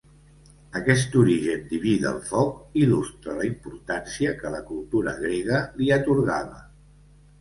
Aquest origen diví del foc il·lustra la importància que la cultura grega li atorgava.